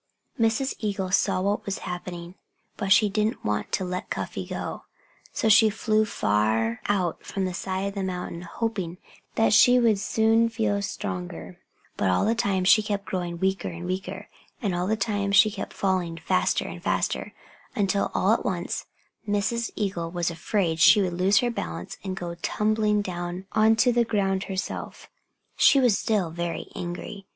Mrs. Eagle saw what was happening. But she didn't want to let Cuffy go. So she flew far out from the side of the mountain, hoping that she would soon feel stronger. But all the time she kept growing weaker and weaker. And all the time she kept falling faster and faster, until all at once Mrs. Eagle was afraid that she would lose her balance and go tumbling down onto the ground herself. She was still very angry.